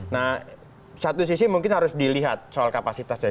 nah satu sisi mungkin harus dilihat soal kapasitasnya